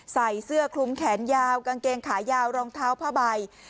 ใส่เสื้อคลุมแขนยาวกางเกงขายาวรองเท้าผ้าใบ